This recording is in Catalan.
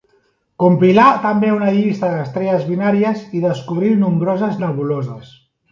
Compilà també una llista d'estrelles binàries i descobrí nombroses nebuloses.